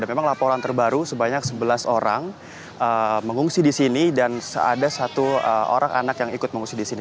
memang laporan terbaru sebanyak sebelas orang mengungsi di sini dan ada satu orang anak yang ikut mengungsi di sini